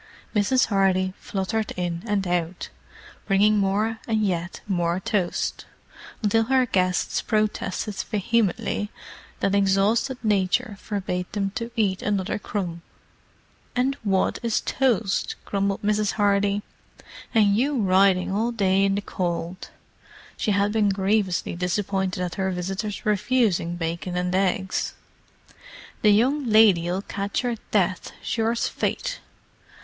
Mrs. Hardy fluttered in and out, bringing more and yet more toast, until her guests protested vehemently that exhausted nature forbade them to eat another crumb. "And wot is toast?" grumbled Mrs. Hardy, "and you ridin' all day in the cold!" She had been grievously disappointed at her visitors' refusing bacon and eggs. "The young lady'll catch 'er death, sure's fate!